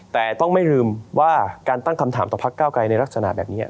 แต่ต้องไม่ลืมว่าการตั้งคำถามต่อพักเก้าไกรในลักษณะแบบนี้